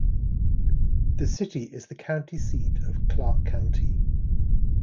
The city is the county seat of Clark County.